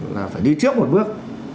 là phải đi trước một bước